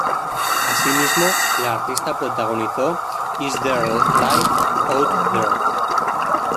Asimismo, la artista protagonizó "Is There Life Out There?